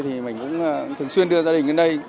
thì mình cũng thường xuyên đưa gia đình lên đây